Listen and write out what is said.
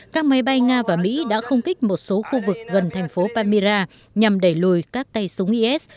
các máy bay nga và mỹ đã không kích một số khu vực gần thành phố pamira nhằm đẩy lùi các tay súng is